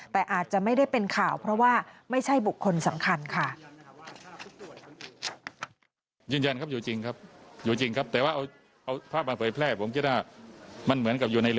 แต่อาจจะไม่ได้เป็นข่าวเพราะว่าไม่ใช่บุคคลสำคัญค่ะ